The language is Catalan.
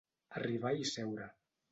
Arribar i seure.